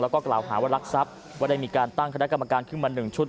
แล้วก็กล่าวหาว่ารักทรัพย์ว่าได้มีการตั้งคณะกรรมการขึ้นมา๑ชุด